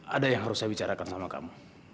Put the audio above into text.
ada yang harus saya bicarakan sama kamu